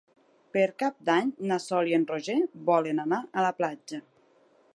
Per Cap d'Any na Sol i en Roger volen anar a la platja.